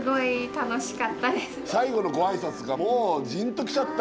最後のご挨拶がもうジーンときちゃった。